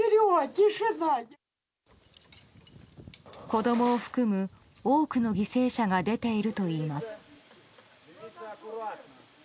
子供を含む多くの犠牲者が出ているといいます。